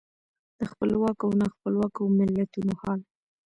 د خپلواکو او نا خپلواکو ملتونو حال.